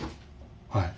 はい。